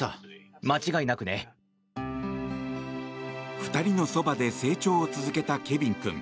２人のそばで成長を続けたケビン君。